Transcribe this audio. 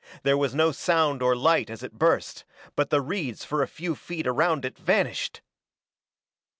There was no sound or light as it burst, but the reeds for a few feet around it vanished!